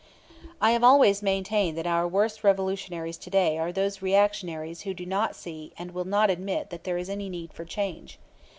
I have always maintained that our worst revolutionaries to day are those reactionaries who do not see and will not admit that there is any need for change.